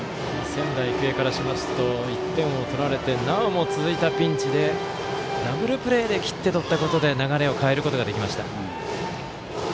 仙台育英からしますと１点を取られてなおも続いたピンチでダブルプレーで切って取ったことで流れを変えることができました。